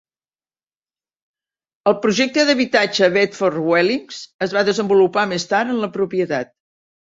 El projecte d'habitatge Bedford Dwellings es va desenvolupar més tard en la propietat.